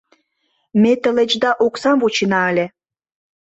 — Ме тылечда оксам вучена ыле...